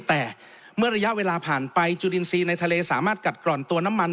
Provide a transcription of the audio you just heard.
แต่เมื่อระยะเวลาผ่านไปจุลินทรีย์ในทะเลสามารถกัดกร่อนตัวน้ำมัน